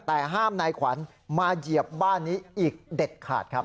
แต่ห้ามนายขวัญมาเหยียบบ้านนี้อีกเด็ดขาดครับ